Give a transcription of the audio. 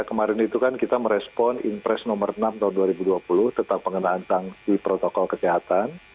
kemarin itu kan kita merespon impres nomor enam tahun dua ribu dua puluh tentang pengenaan sanksi protokol kesehatan